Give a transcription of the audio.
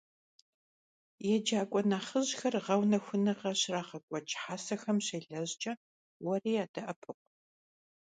ЕджакӀуэ нэхъыжьхэм гъэунэхуныгъэ щрагъэкӀуэкӀ хьэсэхэм щелэжькӀэ уэри ядэӀэпыкъу.